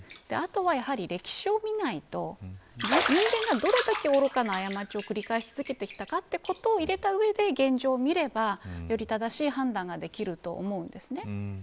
あとは、やはり歴史を見ないと人間が、どれだけ愚かな過ちを繰り返し続けてきたかということを入れた上で現状を見ればより正しい判断ができると思うんです。